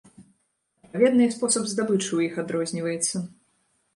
Адпаведна і спосаб здабычы ў іх адрозніваецца.